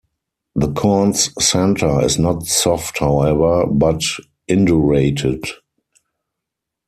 The corn's center is not soft however, but indurated.